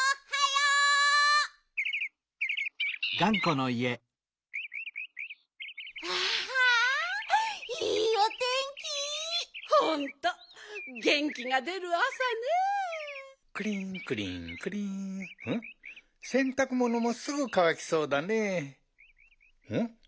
うんせんたくものもすぐかわきそうだね。